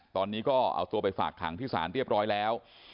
ตอนนี้ก็เอาตัวไปฝากขังที่ศาลเรียบร้อยแล้ว